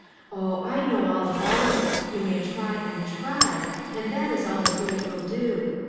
Oh I I know all about it ; you may try and try, and that is all the good it will do.